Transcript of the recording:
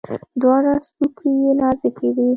دواړه څوکي یې نازکې وي.